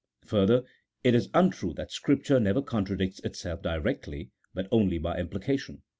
Further, it is untrue that Scripture never contradicts itself directly, but only by implication.